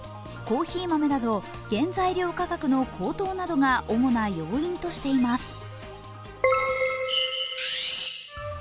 コーヒー豆など原材料価格の高騰などが主な要因としています。